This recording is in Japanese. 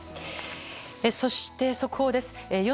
そして速報です。